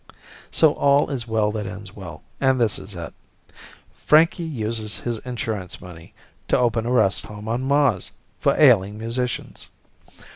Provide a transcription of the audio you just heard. So all is well that ends well, and this is it. Frankie uses his insurance money to open a rest home on Mars for ailing musicians.